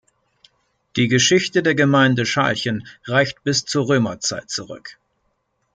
Die Geschichte der Gemeinde Schalchen reicht bis zur Römerzeit zurück.